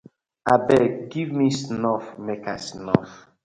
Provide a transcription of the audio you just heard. Abeg giv me snuff mek I snuff.